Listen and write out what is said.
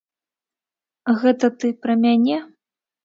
Гэта ты пра мяне?